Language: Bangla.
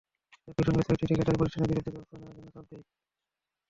একই সঙ্গে ছয়টি ঠিকাদারি প্রতিষ্ঠানের বিরুদ্ধে ব্যবস্থা নেওয়ার জন্য চাপ দেয়।